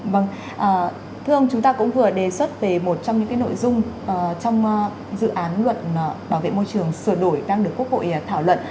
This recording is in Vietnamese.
vâng thưa ông chúng ta cũng vừa đề xuất về một trong những nội dung trong dự án luật bảo vệ môi trường sửa đổi đang được quốc hội thảo luận